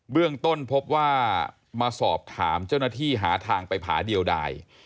เรื่องต้นพบว่ามาสอบถามเจ้าหน้าที่หาทางไปผาเดียวได้